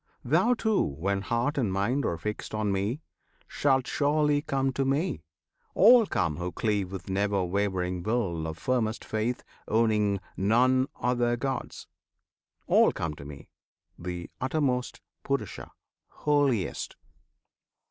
Thou too, when heart and mind are fixed on Me, Shalt surely come to Me! All come who cleave With never wavering will of firmest faith, Owning none other Gods: all come to Me, The Uttermost, Purusha, Holiest!